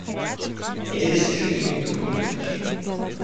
Эти достижения имеют огромное значение.